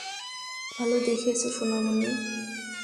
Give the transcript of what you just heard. ভালো দেখিয়েছ, সোনামণি।